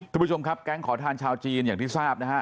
คุณผู้ชมครับแก๊งขอทานชาวจีนอย่างที่ทราบนะฮะ